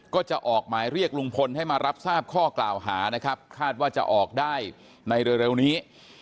ก็จะออกหมายเรียกลุงพลให้มารับทราบข้อกล่าวหานะครับคาดว่าจะออกได้ในเร็วนี้